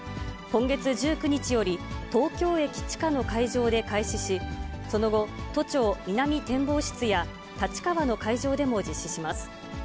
今月１９日より、東京駅地下の会場で開始し、その後、都庁南展望室や、立川の会場でも実施します。